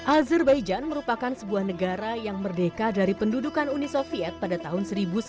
azerbaijan merupakan sebuah negara yang merdeka dari pendudukan uni soviet pada tahun seribu sembilan ratus sembilan puluh